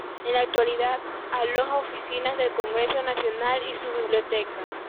En la actualidad, aloja oficinas del Congreso Nacional y su Biblioteca.